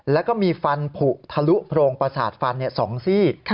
แล้วก็มีฟันผูกทะลุโพรงประสาทฟัน๒ซี่